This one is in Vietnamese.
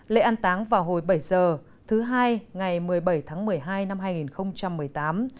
lễ an táng vào hồi bảy h thứ hai ngày một mươi bảy tháng một mươi hai năm hai nghìn một mươi tám